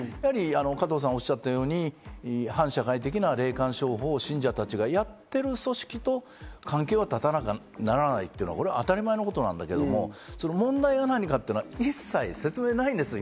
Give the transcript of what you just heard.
加藤さんがおっしゃったように、反社会的な霊感商法を信者たちがやっている組織と関係は断たなければならないというのは当たり前のことなんだけれども、問題は何かというのは一切説明がないんですよ